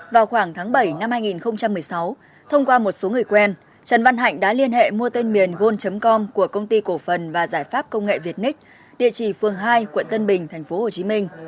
vào khoảng tháng bảy năm hai nghìn một mươi sáu thông qua một số người quen trần văn hạnh đã liên hệ mua tên miền gold com của công ty cổ phần và giải pháp công nghệ việt nick địa chỉ phường hai quận tân bình tp hcm